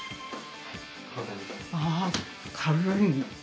ああ軽い。